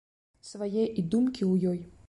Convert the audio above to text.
Свае і думкі ў ёй.